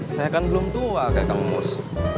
saya kan belum tua kak kang mus